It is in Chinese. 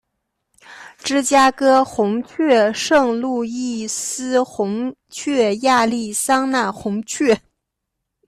芝加哥红雀圣路易斯红雀亚利桑那红雀